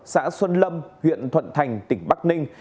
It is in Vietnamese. xã xuân lâm huyện thuận thành tỉnh bắc ninh